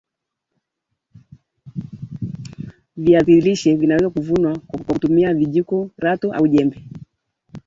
viazilishe vinaweza kuvunwa kwa mutmia vijiti rato au jembe